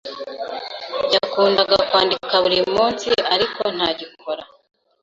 Yakundaga kwandika buri munsi, ariko ntagikora.